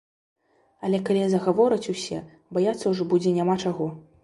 Але калі загавораць усе, баяцца ўжо будзе няма чаго.